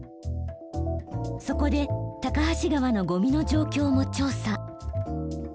そこで高梁川のゴミの状況も調査。